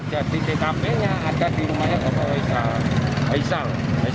jadi tkp yang ada di rumahnya aisal